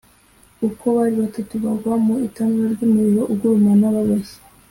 uko ari batatu bagwa mu itanura ry’umuriro ugurumana baboshye